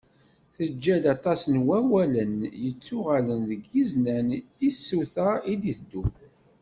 Teǧǧa-d aṭas n wawalen yettuɣalen deg yiznan i tsuta i d-iteddun.